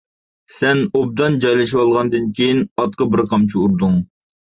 سەن ئوبدان جايلىشىۋالغاندىن كىيىن ئاتقا بىر قامچا ئۇردۇڭ.